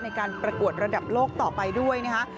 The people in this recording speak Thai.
ในการประกวดระดับโลกต่อไปด้วยนะคะ